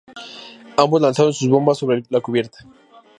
Ambos lanzaron sus bombas sobre la cubierta.